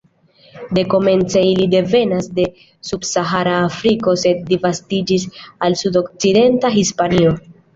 Dekomence ili devenas de subsahara Afriko, sed disvastiĝis al sudokcidenta Hispanio.